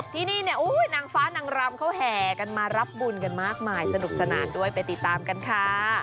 ที่นี่เนี่ยนางฟ้านางรำเขาแห่กันมารับบุญกันมากมายสนุกสนานด้วยไปติดตามกันค่ะ